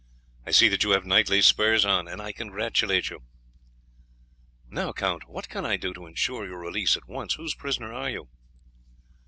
I see that you have knightly spurs on, and I congratulate you." "Now, Count, what can I do to ensure your release at once? Whose prisoner are you?"